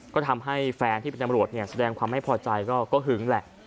ก็ทำให้แฟนที่เป็นตำรวจแสดงความไม่พอใจก็หึงแหละ